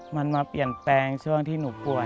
มันมาเปลี่ยนแปลงช่วงที่หนูป่วย